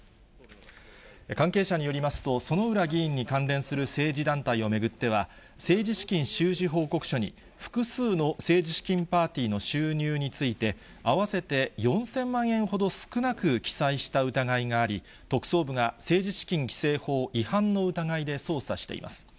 関係者によりますと、薗浦議員に関連する政治団体を巡っては、政治資金収支報告書に、複数の政治資金パーティーの収入について、合わせて４０００万円ほど少なく記載した疑いがあり、特捜部が政治資金規正法違反の疑いで捜査しています。